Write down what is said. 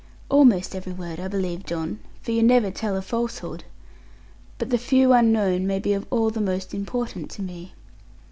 'Almost every word, I believe, John; for you never tell a falsehood. But the few unknown may be of all the most important to me.'